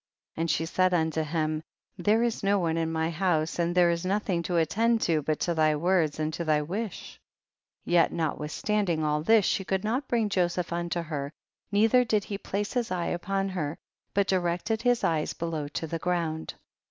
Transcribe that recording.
22. And she said unto him, there is no one in my house, and there is nothing to attend to but to thy words and to thy wish ; yet not withstanding all this she could not bring Joseph unto her, neither did he place his eye upon her, but directed his eyes below to the ground.